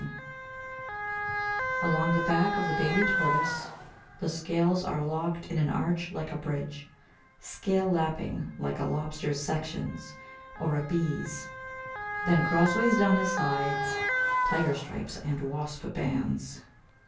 TORTOISE SHELL Along the back of the baby tortoise The scales are locked in an arch like a bridge, Scale lapping, like a lobster's sections Or a bee's. Then crossways down his sides Tiger stripes and wasp bands.